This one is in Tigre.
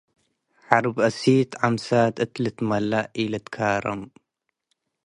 . ሐርብ እሲት ዐምሳት እት ልትመለእ ኢልትካረም ።